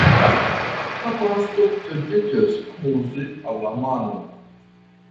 La pasto sentiĝas amuze al la mano.